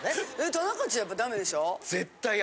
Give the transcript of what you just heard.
田中っちやっぱダメでしょ？